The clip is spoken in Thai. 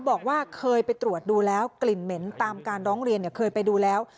บอกว่าเคยไปตรวจดูแล้วกลิ่นเหม็นตามการร้องเรียนเคยไปดูแล้ว